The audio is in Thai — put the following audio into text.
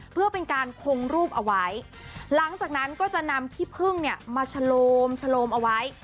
เพื่อเป็นการคงรูปเอาไว้หลังจากนั้นก็จะนำขี้พึ่งเนี่ยมาโฉมเอาไว้